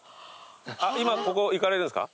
今ここ行かれるんですか？